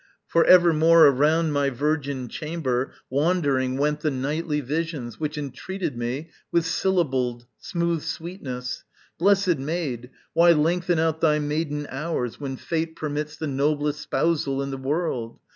For evermore Around my virgin chamber, wandering went The nightly visions which entreated me With syllabled smooth sweetness. "Blessed maid, Why lengthen out thy maiden hours when fate Permits the noblest spousal in the world?